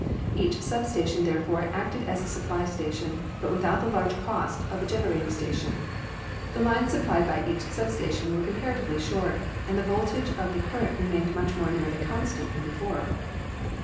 Each sub station therefore acted as a supply station, but without the large cost of a generating station. The lines supplied by each sub station were comparatively short and the voltage of the circuit remained much more nearly constant than be fore.